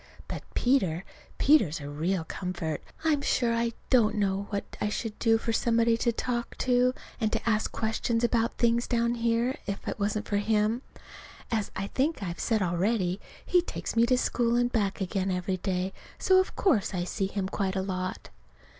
But Peter Peter's a real comfort. I'm sure I don't know what I should do for somebody to talk to and ask questions about things down here, if it wasn't for him. As I think I've said already, he takes me to school and back again every day; so of course I see him quite a lot.